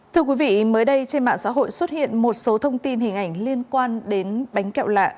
thưa quý vị mới đây trên mạng xã hội xuất hiện một số thông tin hình ảnh liên quan đến bánh kẹo lạ